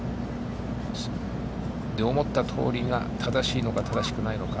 思ったとおりが正しいのか正しくないのか。